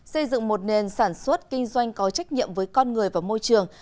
xây dựng một nền sản xuất kinh doanh có trách nhiệm với con người và môi trường